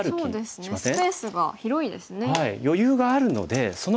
スペースが広いですね。